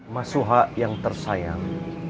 masuha yang tersayang